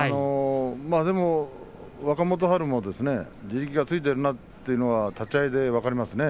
若元春も地力がついているなということは立ち合いで分かりますね